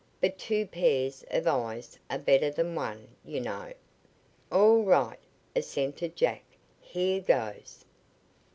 But two pairs of eyes are better than one, you know." "All right," assented Jack. "Here goes."